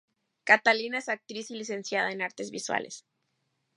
Catalina es actriz y licenciada en artes visuales.